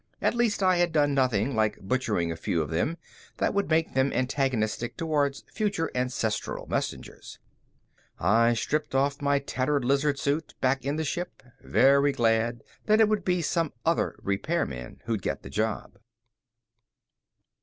At least I had done nothing, like butchering a few of them, that would make them antagonistic toward future ancestral messengers. I stripped off my tattered lizard suit back in the ship, very glad that it would be some other repairman who'd get the job.